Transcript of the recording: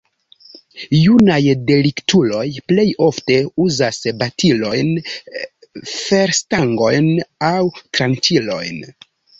Junaj deliktuloj plej ofte uzas batilojn, ferstangojn aŭ tranĉilojn.